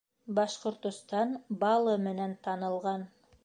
Башҡортостан балы менән танылған